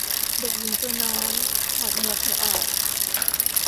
เด็กหญิงตัวน้อย ถอดหมวกเธอออก